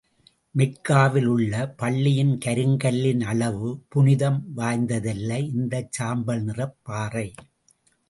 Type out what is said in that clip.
மெக்காவில் உள்ள பள்ளியின் கருங்கல்லின் அளவு புனிதம் வாய்ந்ததல்ல இந்தச் சாம்பல் நிறப் பாறை.